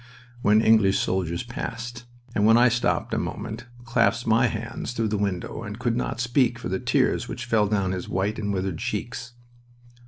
when English soldiers passed, and when I stopped a moment clasped my hands through the window and could not speak for the tears which fell down his white and withered cheeks.